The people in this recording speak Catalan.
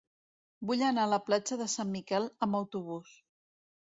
Vull anar a la platja de Sant Miquel amb autobús.